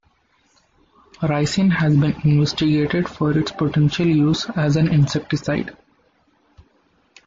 Ricin has been investigated for its potential use as an insecticide.